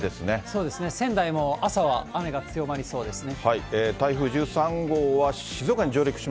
そうですね、仙台も朝は雨が強まりそうですね。